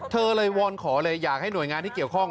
เธอเลยวอนขอเลยอยากให้หน่วยงานที่เกี่ยวข้อง